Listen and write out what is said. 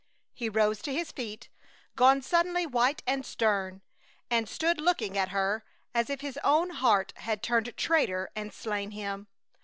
He rose to his feet, gone suddenly white and stern, and stood looking at her as if his own heart had turned traitor and slain him.